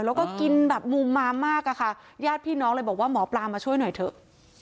แล้วก็กินแบบมุมมามากอะค่ะญาติพี่น้องเลยบอกว่าหมอปลามาช่วยหน่อยเถอะ